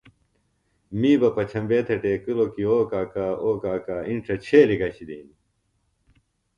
می بہ پچھمبے تھےۡ ٹیکِلوۡ کیۡ اوۡ کاکا اوۡ کاکا اِنڇہ چھیلیۡ گھشِلیۡ ہِنیۡ